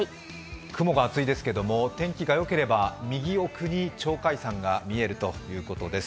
雲が厚いですけれども、天気がよければ右奥に鳥海山が見えるということです。